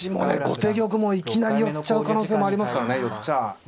後手玉もいきなり寄っちゃう可能性もありますからね。